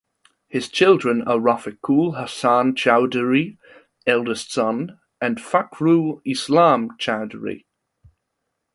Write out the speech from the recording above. His children are Rafiqul Hasan Chowdhury (eldest son) and Fakhrul Islam Chowdhury.